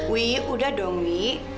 wih udah dong wih